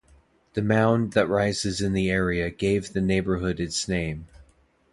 The mound that rises in the area gave the neighbourhood its name.